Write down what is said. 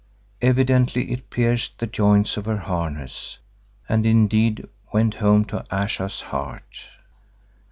Evidently it pierced the joints of her harness, and indeed went home to Ayesha's heart.